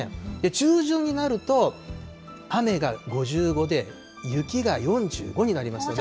中旬になると、雨が５５で、雪が４５になりますので。